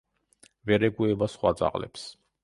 ვერ ეგუება სხვა ძაღლებს.